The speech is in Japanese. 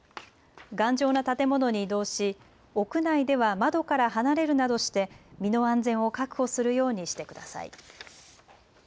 頑丈な建物に移動し、屋内では窓から離れるなどして身の安全を確保するようにしてください。